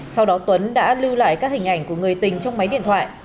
sau đó tuấn đã lưu lại các hình ảnh của người tình trong máy điện thoại